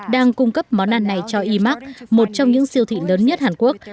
đang cung cấp món ăn này cho e mart một trong những siêu thị lớn nhất hàn quốc